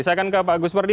saya akan ke pak agus pardy